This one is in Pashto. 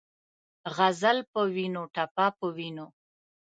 غزل پۀ وینو ، ټپه پۀ وینو